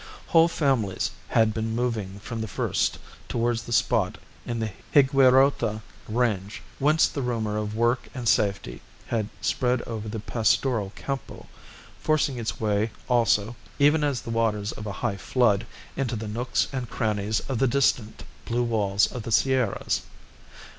Whole families had been moving from the first towards the spot in the Higuerota range, whence the rumour of work and safety had spread over the pastoral Campo, forcing its way also, even as the waters of a high flood, into the nooks and crannies of the distant blue walls of the Sierras.